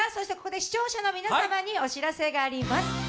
ここで視聴者の皆様にお知らせがあります。